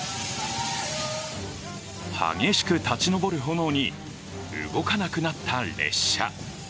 激しく立ち上る炎に動かなくなった列車。